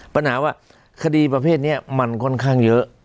ปัญหาว่าคดีประเภทนี้มันค่อนข้างเยอะ